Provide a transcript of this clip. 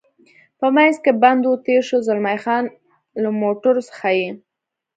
په منځ کې بند و، تېر شو، زلمی خان: له موټرو څخه یې.